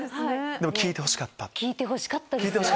でも聞いてほしかった？